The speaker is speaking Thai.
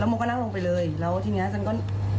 โมก็นั่งลงไปเลยแล้วทีนี้ฉันก็